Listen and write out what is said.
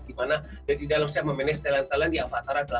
di mana di dalam saya memanage talent talent di avatar r delapan puluh delapan